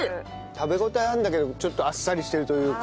食べ応えあるんだけどちょっとあっさりしてるというか。